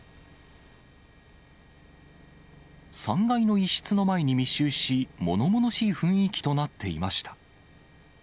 ３階の一室の前に密集し、ものものしい雰囲気となっていました。